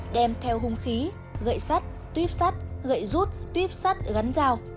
đem theo hung khí gậy sắt tuyếp sắt gậy rút tuyếp sắt gắn dao